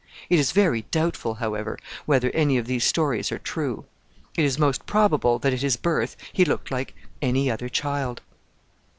It is very doubtful, however, whether any of these stories are true. It is most probable that at his birth he looked like any other child.